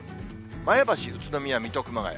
前橋、宇都宮、水戸、熊谷。